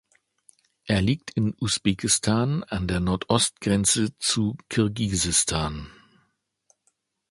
Er liegt in Usbekistan an der Nordostgrenze zu Kirgisistan.